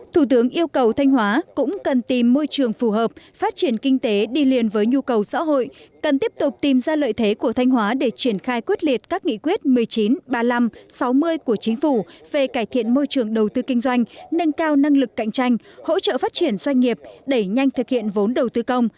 thủ tướng yêu cầu thanh hóa cần thiếu và huy động mọi nguồn lực đón đầu xu thế của cách mạng số